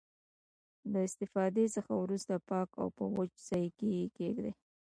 له استفادې څخه وروسته پاک او په وچ ځای کې یې کیږدئ.